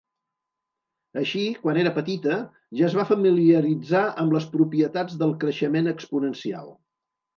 Així, quan era petita, ja es va familiaritzar amb les propietats del creixement exponencial.